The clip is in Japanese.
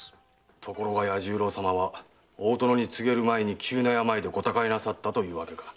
ところが弥十郎様は大殿に告げる前に急な病でご他界なさったというわけか。